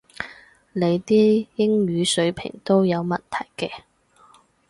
你啲英語水平都有問題嘅